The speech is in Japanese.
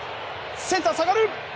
センター下がる。